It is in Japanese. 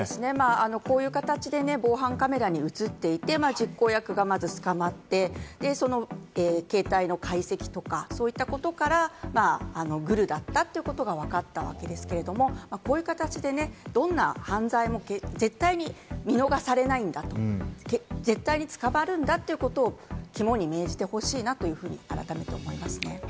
こういう形で防犯カメラに映っていて、実行役がまず捕まって、その携帯の解析とか、そういったことからグルだったということが、わかったわけですけれども、こういう形でね、どんな犯罪も絶対に見逃されないんだと、絶対に捕まるんだということを肝に銘じてほしいなというふうに改めて思いますね。